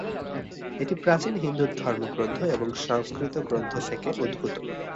এটি প্রাচীন হিন্দু ধর্মগ্রন্থ এবং সংস্কৃত গ্রন্থ থেকে উদ্ভূত।